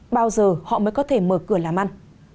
bao giờ họ mới có thể mở cửa làm ăn